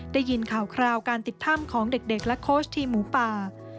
ได้ยินข่าวคราวการติดถ้ำของเด็กและโค้ชทีมหมูป่า